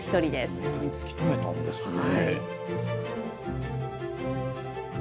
本当に突き止めたんですね。